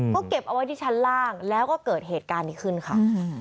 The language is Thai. ก็เก็บเอาไว้ที่ชั้นล่างแล้วก็เกิดเหตุการณ์นี้ขึ้นค่ะ